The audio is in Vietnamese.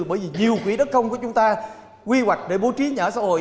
bởi vì nhiều quỹ đất công của chúng ta quy hoạch để bố trí nhà ở xã hội